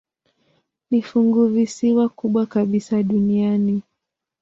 Ni funguvisiwa kubwa kabisa duniani.